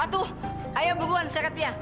itu ayo berburu seret dia